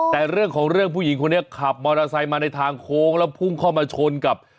แต่เรื่องของเรื่องผู้หญิงคนนี้ขับมอเตอร์ไซค์มาในทางโค้งแล้วพุ่งเข้ามาชนกับ